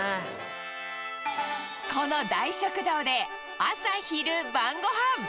この大食堂で、朝昼晩ごはん。